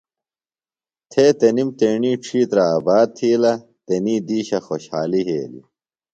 تھے تنِم تیݨی ڇِھیترہ آباد تِھیلہ۔ تنی دِیشہ خوشحالیۡ یھیلیۡ۔